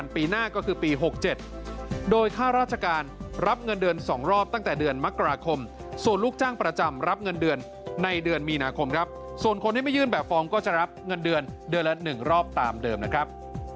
ประจำรับเงินเดือนในเดือนมีนาคมครับส่วนคนที่ไม่ยื่นแบบฟอร์มก็จะรับเงินเดือนเดือนละหนึ่งรอบตามเดิมนะครับ